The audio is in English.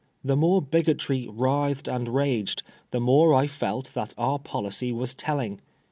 The more Bigotry writhed and raged, the more I felt that our policy was telling.